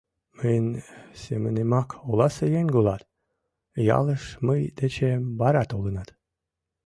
— Мыйын семынемак оласе еҥ улат, ялыш мый дечем вара толынат.